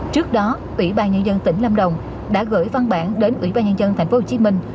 trước đó ủy ban nhân dân tỉnh lâm đồng đã gửi văn bản đến ủy ban nhân dân thành phố hồ chí minh